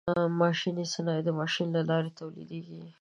ماشیني صنایع د ماشین له لارې تولیدیږي.